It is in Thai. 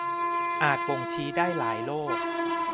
อาจบ่งชี้ได้หลายโรค